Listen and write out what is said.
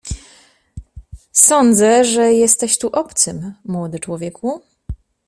"Sądzę, że jesteś tu obcym, młody człowieku?"